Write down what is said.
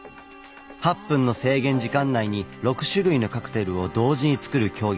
８分の制限時間内に６種類のカクテルを同時に作る競技です。